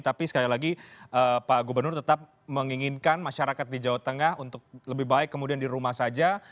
tapi sekali lagi pak gubernur tetap menginginkan masyarakat di jawa tengah untuk lebih baik kemudian di rumah saja